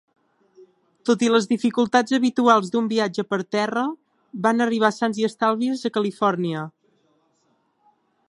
Tot i les dificultats habituals d'un viatge per terra, van arribar sans i estalvis a California.